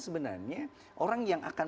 sebenarnya orang yang akan